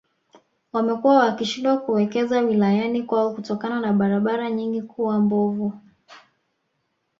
Wamekuwa wakishindwa kuwekeza wilayani kwao kutokana na barabara nyingi kuwa mbovu